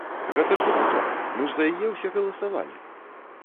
Гэта ж дэпутат, мы ж за яе ўсе галасавалі!